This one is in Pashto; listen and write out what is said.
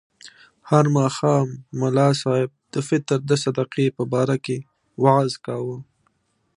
هر ماښام ملا صاحب د فطر د صدقې په باره کې وعظ کاوه.